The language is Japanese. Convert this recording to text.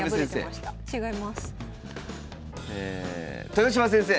豊島先生。